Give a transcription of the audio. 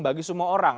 bagi semua orang